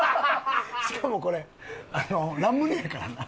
しかもこれラムネやからな。